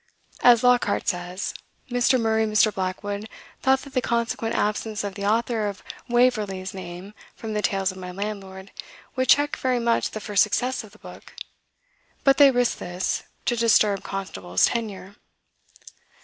As Lockhart says, Mr. Murray and Mr. Blackwood thought that the consequent absence of the Author of "Waverley's" name from the "Tales of my Landlord" would "check very much the first success of the book;" but they risked this, "to disturb Constable's tenure."